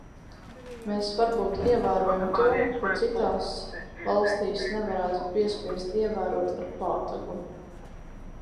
Mēs varbūt ievērojam to, ko citās valstīs nevarētu piespiest ievērot ar pātagu.